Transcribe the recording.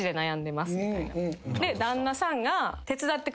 で旦那さんが。